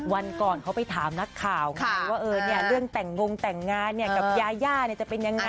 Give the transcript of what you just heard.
วันก่อนเขาไปถามนักข่าวไงว่าเรื่องแต่งงแต่งงานกับยาย่าจะเป็นยังไง